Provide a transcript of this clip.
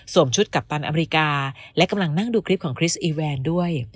ชุดกัปตันอเมริกาและกำลังนั่งดูคลิปของคริสอีแวนด้วย